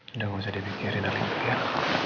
udah gak usah dipikirin alin